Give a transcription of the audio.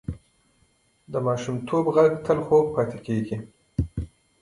د ماشومتوب غږ تل خوږ پاتې کېږي